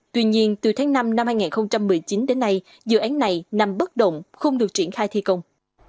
tuy nhiên từ tháng năm năm hai nghìn một mươi chín đến nay dự án này nằm bất động không được triển khai thi công